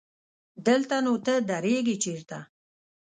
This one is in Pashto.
دلته نو ته درېږې چېرته؟